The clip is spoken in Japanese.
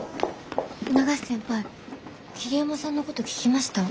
永瀬先輩桐山さんのこと聞きました？